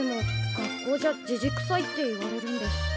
学校じゃじじくさいって言われるんです。